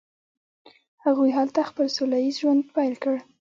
هغوی هلته خپل سوله ایز ژوند پیل کړ.